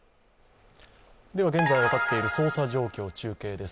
現在、分かっている捜査状況、中継です。